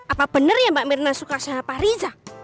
apa benar ya mbak mirna suka sama pak riza